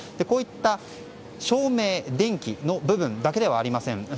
こういった照明電気の部分だけではありません。